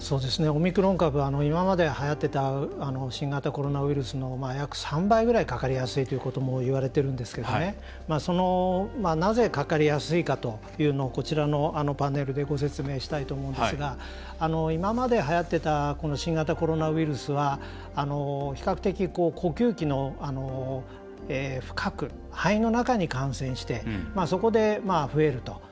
オミクロン株は今まで、はやっていた新型コロナウイルスの約３倍ぐらいかかりやすいということもいわれてるんですけどなぜかかりやすいかというのをこちらのパネルでご紹介したいと思うんですが今まで、はやっていた新型コロナウイルスは比較的、呼吸器の深く肺の中に感染してそこで増えると。